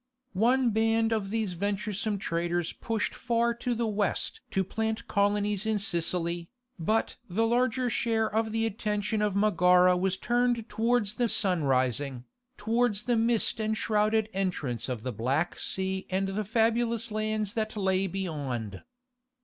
One band of these venturesome traders pushed far to the West to plant colonies in Sicily, but the larger share of the attention of Megara was turned towards the sunrising, towards the mist enshrouded entrance of the Black Sea and the fabulous lands that lay beyond.